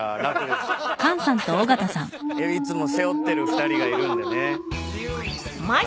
いつも背負ってる２人がいるんでね。